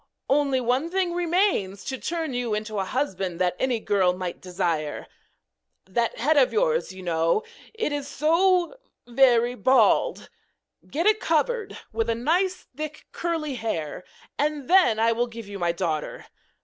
Only one thing remains to turn you into a husband that any girl might desire. That head of yours, you know it is so very bald! Get it covered with nice thick curly hair, and then I will give you my daughter.